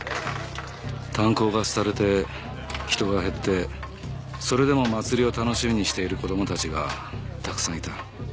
炭鉱が廃れて人が減ってそれでも祭りを楽しみにしている子供たちがたくさんいた。